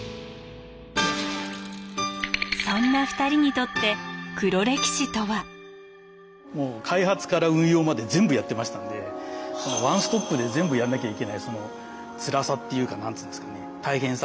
そんな２人にとってもう開発から運用まで全部やってましたんでワンストップで全部やんなきゃいけないそのつらさっていうか何ていうんですかね大変さ。